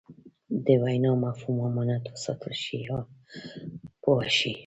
د وینا مفهوم امانت وساتل شي پوه شوې!.